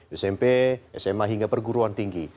smp sma hingga perguruan tinggi